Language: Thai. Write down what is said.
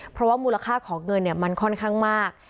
เพราะว่ามูลค่าของเงินมันค่อนข้างมาก